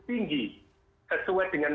tinggi sesuai dengan